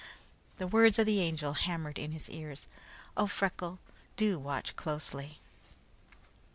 The words of the Angel hammered in his ears. "Oh, Freckles, do watch closely!"